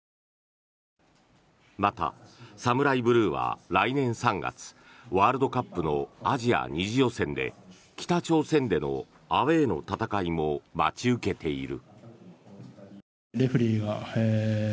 またＳＡＭＵＲＡＩＢＬＵＥは来年３月ワールドカップのアジア２次予選で北朝鮮でのアウェーの戦いも待ち受けている。